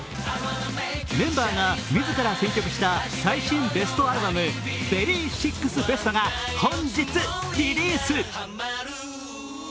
メンバーが自ら選曲した最新ベストアルバム、「Ｖｅｒｙ６ＢＥＳＴ」が本日リリース。